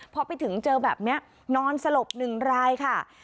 พอไปถึงเจอแบบเนี่ยนอนสลบหนึ่งรายค่ะ